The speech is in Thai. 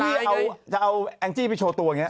พี่เอาแอลกท์จี้ไปโชว์ตัวงี้